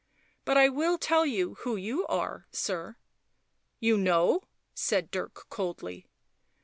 " But I will tell you who you are, sir." " You know ?" said Dirk coldly.